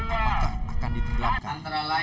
apakah akan ditenggelamkan